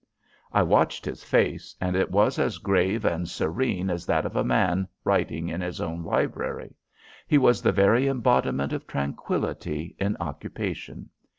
I watched his face, and it was as grave and serene as that of a man writing in his own library. He was the very embodiment of tranquillity in occupation.